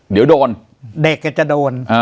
เดี๋ยวโดนเด็กก็จะโดน